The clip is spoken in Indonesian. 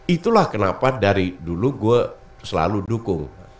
itulah kenapa dari dulu gue selalu dukung